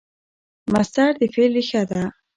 مصدر د فعل ریښه ده.